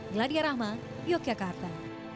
gladia rahma yogyakarta